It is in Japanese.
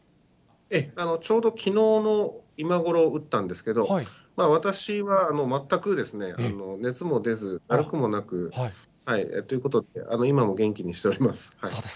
ちょうどきのうの今ごろ打ったんですけど、私は全く熱も出ず、だるくもなくということで、今も元気にしております。